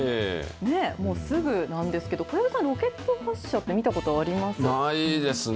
もうすぐなんですけど、小籔さん、ロケット発射って見たことないですね。